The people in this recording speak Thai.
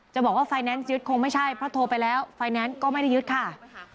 บอกว่าไฟแนนซ์ยึดคงไม่ใช่เพราะโทรไปแล้วไฟแนนซ์ก็ไม่ได้ยึดค่ะ